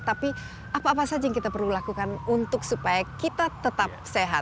tapi apa apa saja yang kita perlu lakukan untuk supaya kita tetap sehat